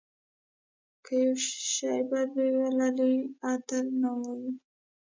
که یو شی بد بوی ولري عطر نه وایو.